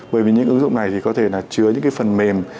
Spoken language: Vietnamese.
bởi vì những ứng dụng này thì có thể là chứa những cái phần mềm